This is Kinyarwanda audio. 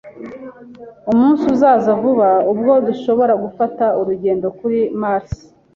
Umunsi uzaza vuba ubwo dushobora gufata urugendo kuri Mars.